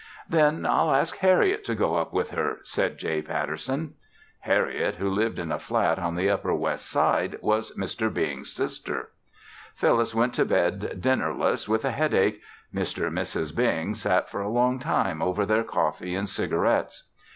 "Then I'll ask Harriet to go up with her," said J. Patterson. Harriet, who lived in a flat on the upper west side, was Mr. Bing's sister. Phyllis went to bed dinnerless with a headache. Mr. and Mrs. Bing sat for a long time over their coffee and cigarettes.